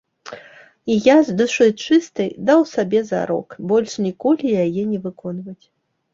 І я, з душой чыстай, даў сабе зарок больш ніколі яе не выконваць.